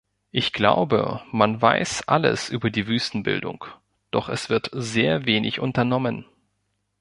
Ich glaube, man weiß alles über die Wüstenbildung, doch es wird sehr wenig unternommen.